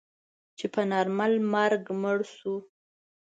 چې په نارمل مرګ مړ شو.